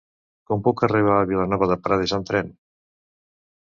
Com puc arribar a Vilanova de Prades amb tren?